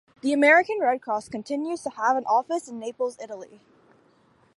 The American Red Cross continues to have an office in Naples, Italy.